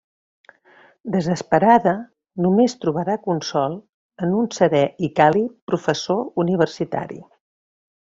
Desesperada, només trobarà consol en un serè i càlid professor universitari.